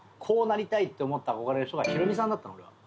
「こうなりたいって思った憧れの人がヒロミさんだったの」